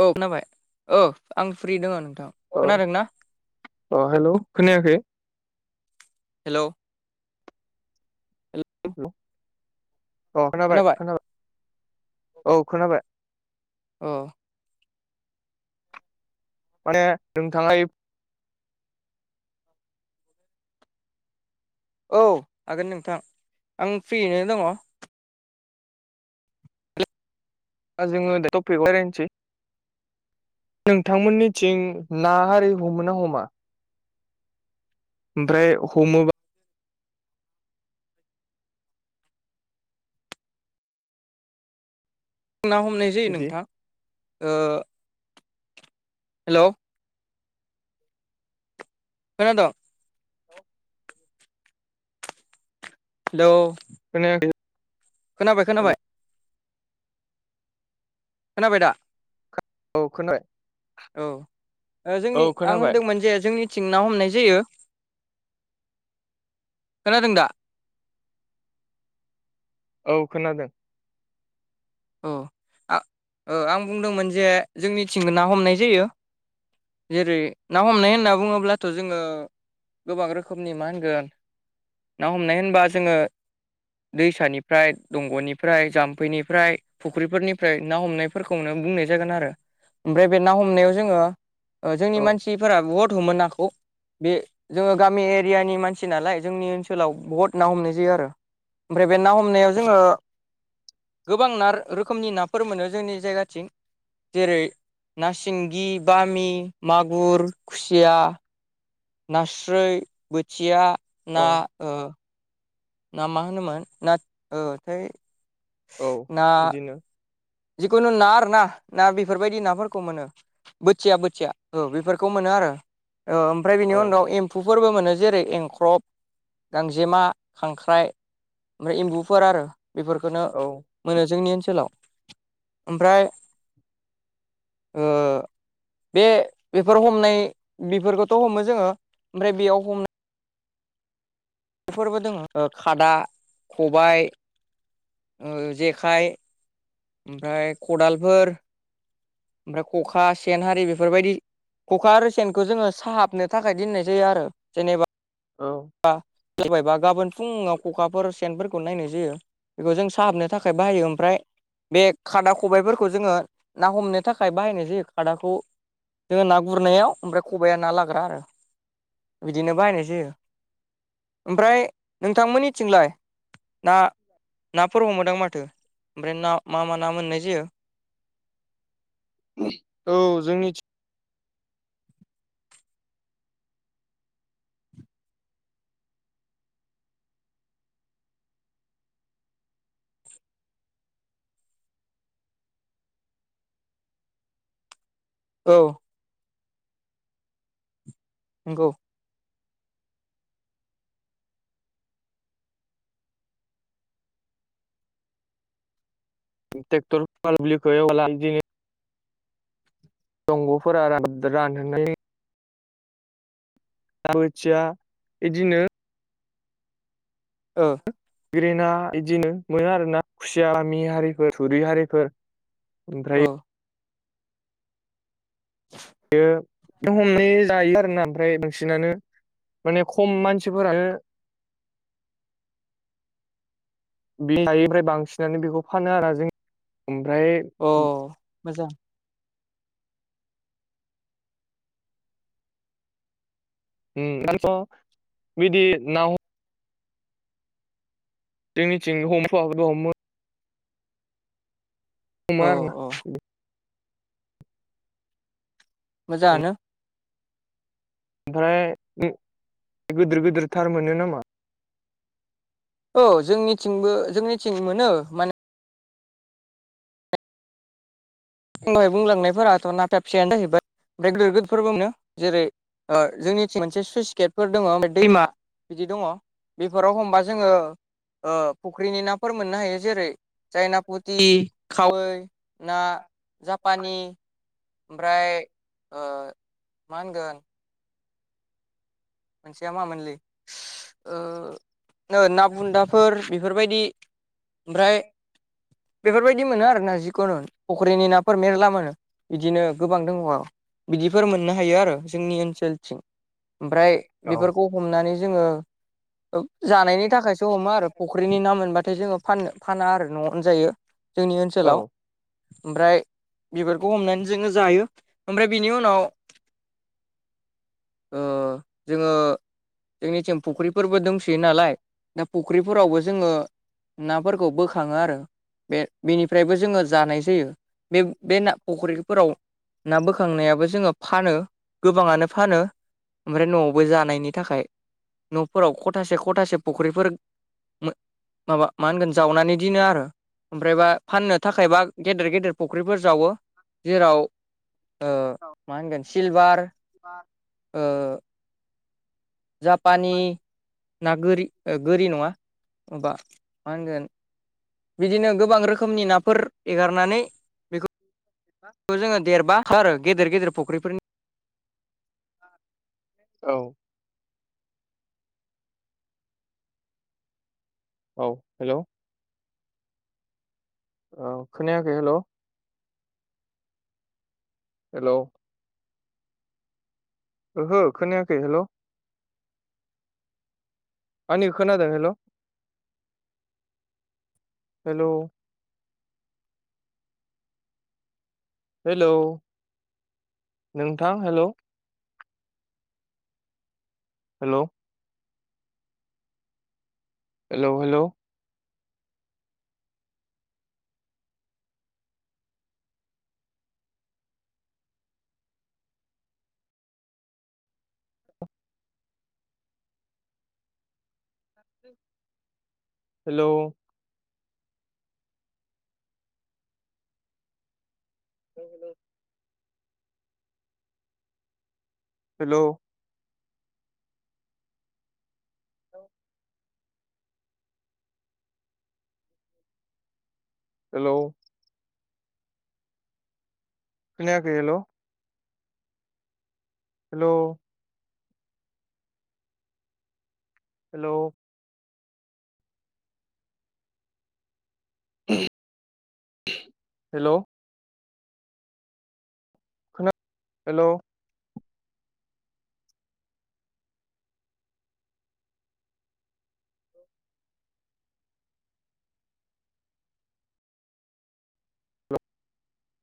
औ खोनाबाय औ आं फ्रि दङ नोंथां। अ खोनादों ना खोनादोंना अ हेलौ खोनायाखै? हेलौ [unintelligible] अ खोनाबाय खोनाबाय [inaudible] औ खोनाबाय। अह माने नोंथाङा [unintelligible] औ हागोन नोंथां आं फ्रियैनो दङ'। दा जोङो दा टपिकआव रायलायनिसै नोंथांमोननिथिं ना हारि हमो ना हमा? ओमफ्राय हमोबा ना हमनाय जायो बिदि नोंथां। ओ हेलौ खोनाद'? हेलौ खोनायाखै। खोनाबाय खोनाबाय। खोनाबाय दा? औ खोनाबाय। औ ओ जोंनि औ आं खोनाबाय होनदोंमोन जे जोंनि थिं ना हमनाय जायो। [inaudible] खोनादों दा? औ खोनादों। अ आ ओ आं बुंदोंमोन जे जोंनिथिंबो ना हमनाय जायो। जेरै ना हमनाय होनना बुङोब्लाथ' जोङो गोबां रोखोमनि मा होनगोन? ना हमनाय होनबा जोङो दैसानिफ्राय दंग'निफ्राय जाम्फैनिफ्राय फुख्रिफोरनिफ्राय ना हमनायफोरखौनो बुंनाय जागोन आरो। ओमफ्राय बे ना हमनायाव जोङो ओ जोंनि औ मानसिफोरा बुहुत हमो नाखौ। बे जोङो गामि एरियानि मानसि नालाय जोंनि ओनसोलाव बहुद ना हमनाय जायो आरो। ओमफ्राय बे ना हमनायाव जोङो गोबांनार रोखोमनि नाफोर मोनो जोंनि जायगाथिं। जेरै ना सिंगि, बामि, मागुर, खुसिया नास्रोय, बोथिया ना औ ओ ना मा होनोमोन नाथ ओ [unintelligible] औ ना बिदिनो जिखुनु ना आरो ना। ना बेफोरबायदि नाफोरखौ मोनो। बोथिया बोथिया औ बेफोरखौ मोनो आरो ओमफ्राय बेनि औ उनाव एम थफुफोरबो मोनो जेरै एंख्रब गांजेमा खांख्राइ ओमफ्राय एम्बुफोर आरो बेफोरखौनो औ मोनो जोंनि ओनसोलाव ओमफ्राय बे बेफोर हमनाय बेफोरखौथ' हमो जोङो ओमफ्राय बेयाव हमनाय बेफोरबो दोङो ओ खादा खबाय ओ जेखाइ ओमफ्राय खदालफोर ओमफ्राय ख'खा सेन हारि बेफोरबायदि खखा आरो सेनखौ जोङो साहाबनो थाखाय दोननाय जायो आरो। जेनेबा औ जैबायबा गाबोन फुङाव खखाफोर सेनफोरखौ नायनाय जायो बेखौ जों साहाबनो थाखाय बाहायो ओमफ्राय बे खादा खबायफोरखौ जोङो ना हमनो थाखाय बाहायनाय जायो खादाखौ जोङो ना गुरनायाव ओमफ्राय खबाइआ ना लाग्रा आरो बिदिनो बाहायनायसै ओमफ्राय नोंथांमोननिथिंलाय ना नाफोर हमोदां माथो ओमफ्राय ना मा मा ना मोननाय जायो औ जोंनि औ नोंगौ ट्रेक्टरालुलि [unintelligible] दंग'फोरा रानहाय दाबोथिया बिदिनो [inaudible] गेना बिदिनो मोनो आरो ना खुसियाामि हारिफोर थुरि हारिफोर ओम औ [inaudible] बेयो हमनाय जायो आरो ना ओमफ्राय नोंसिनानो माने खम मानसिफोरानो बे हायैफ्राय बांसिनानो बेखौ फानो आरो जों ओमफ्राय अ मोजां [inaudible] बिदि ना हम जोंनिथिंनो हमफाखो हमो हमो औ आरो ना औ मोजाङानो ओमफ्राय गिदिर गिदिर थार मोनो नामा औ जोंनिथिंबो जोंनिथिं मोनो माने आं दवहाय बुंलांनायफोराथ' ना फेबसेयानो जाहैबाय ओमफ्राय गिदिर गिदिर फोरबोनो जेरै जोंनिथिं मोनसे स्लुइस गेटफोर दङ दैमा बिदि दङ बेफोराव हमबा जोङो फुख्रिनि नाफोर मोननो हायो जेरै जायना फुथि खावै ना जापानि ओमफ्राय मा होनगोन मोनसेया माोनलै ना बुन्दाफोर बेफोरबायदि ओमफ्राय बेफोरबायदि मोनो आर ना जिखुनु फख्रिनि नाफोर मेरला मोनो बिदिनो गोबां दङ बिदिफोर मोननो हायो आरो जोंनि ओनसोलथिं ओमफ्राय औ बेफोरखौ हमनानै जोङो जानायनि थाखायसो हमो आरो फुख्रिनि नाम मोनबाथाय थाय जोङो फान फाना आरो न'आवनो जायो जोंनि औ ओनसोलाव ओमफ्राय बिबारखौ हमनानै जोङो जायो ओमफ्राय बिनि उनाव जोङो जोंनिथिम फुख्रिफोरबो दंसैयो नालाय दा फुख्रिफोरावबो जोङो नाफोरखौ बोखाङो आरो। बे बेनिफ्रायबो जोङो जानाय जायो। बे बे ना फुख्रिफोराव ना बोखांनायाबो जोङो फानो गोबाङानो फानो ओमफ्राय न'आव बय जानायनि थाखाय न'फोराव खथासे खथासे फुख्रिफोर मो माबा मा होनगोन जावनानै दिनो आरो। ओमफ्रायबा फाननो थाखायबा गेदेर गेदेर फुख्रिफोर जावो जेराव मा होनगोन सिलभार जापानि ना गोरि गोरि नङा मबा मा होनगोन बिदिनो गोबां रोखोमनि नाफोर एगारनानै बा खौ जोङो देरबा खा आरो गेदेर गेदेर फख्रिफोरनि औ औ हेलौ औ खोनायाखै हेलौ हेलौ ओहो खोनायाखै हेलौ आंनिखो खोनादों? हेलौ हेलौ हेलौ नोंथां hello hello hello, hello hello hello hello hello लौ हेलौ खोनायाखै हेलौ। हेलौ हेलौ हेलौ खोना हेलौ